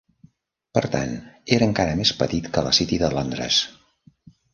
Per tant, era encara més petit que la City de Londres.